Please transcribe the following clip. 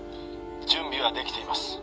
準備はできています